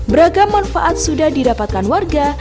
beragam manfaat sudah didapatkan warga